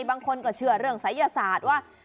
บางคนก็เชื่อเรื่องศัยยศาสตร์ว่า